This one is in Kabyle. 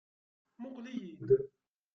Muqqel-iyi-d.